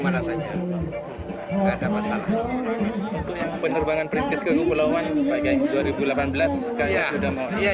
penerbangan perintis ke kukulauan dua ribu delapan belas